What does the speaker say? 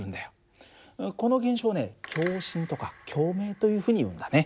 この現象をね共振とか共鳴というふうにいうんだね。